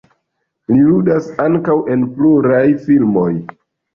Li ludis ankaŭ en pluraj filmoj.